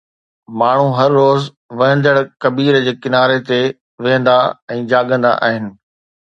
ماڻهو هر روز وهندڙ ڪبير جي ڪناري تي ويهندا ۽ جاڳندا آهن.